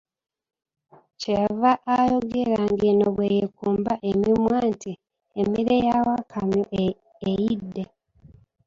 Kye yava ayogera ng'eno bwe yeekomba emimwa nti, emmere ya Wakamyu eyidde.